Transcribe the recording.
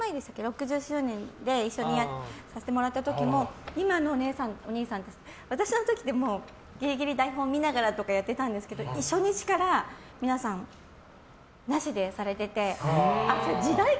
６０周年で一緒にさせてもらった時も今のおねえさんおにいさんたち私の時って、ギリギリ台本を見ながらとかやってたんですけど初日から皆さん、なしでされてて。